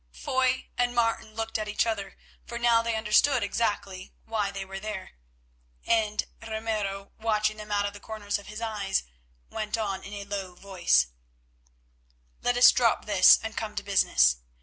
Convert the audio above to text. Foy and Martin looked at each other, for now they understood exactly why they were there, and Ramiro, watching them out of the corners of his eyes, went on in a low voice: "Let us drop this and come to business.